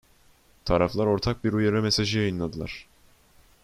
Taraflar ortak bir uyarı mesajı yayınladılar.